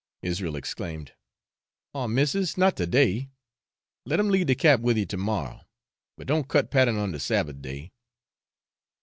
Israel exclaimed, 'Oh missis, not to day; let him leave the cap with you to morrow, but don't cut pattern on de Sabbath day!'